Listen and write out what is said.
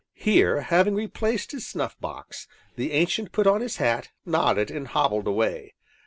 Here, having replaced his snuff box, the Ancient put on his hat, nodded, and bobbled away.